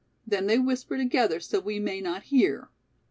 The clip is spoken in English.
Then they whisper together so we may not hear."